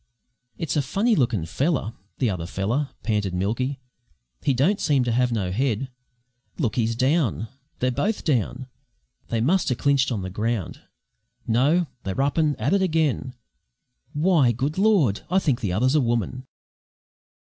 "It's a funny lookin' feller, the other feller," panted Milky. "He don't seem to have no head. Look! he's down they're both down! They must ha' clinched on the ground. No! they're up an' at it again.... Why, good Lord! I think the other's a woman!"